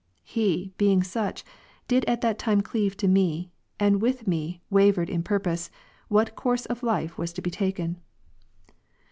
He, being such, did at that time cleave to me, and with me wavered in purpose, what course of life was to be taken.